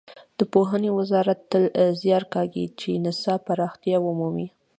د پوهنې وزارت تل زیار کاږي چې نصاب پراختیا ومومي.